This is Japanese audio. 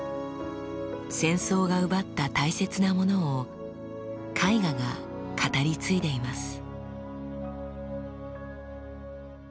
戦争が奪った大切なものを絵画が語り継いでいます。